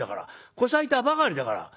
こさえたばかりだから」。